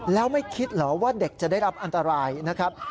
แล้วไม่คิดเหรอว่าเด็กจะได้รับอันตรายนะครับ